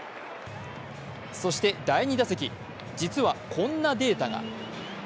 そして第２打席、実はこんなデータが。